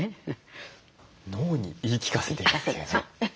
脳に言い聞かせているというね。